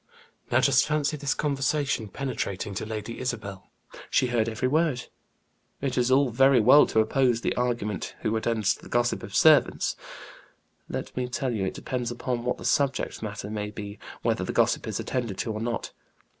Now just fancy this conversation penetrating to Lady Isabel! She heard every word. It is all very well to oppose the argument, "Who attends to the gossip of the servants?" Let me tell you it depends upon what the subject may be, whether the gossip is attended to or not.